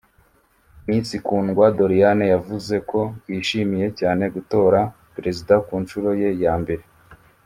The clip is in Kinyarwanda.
Miss Kundwa Doriane yavuze ko yishimiye cyane gutora Perezida ku nshuro ye ya mbere